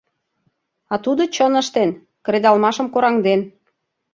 А тудо чын ыштен, кредалмашым кораҥден.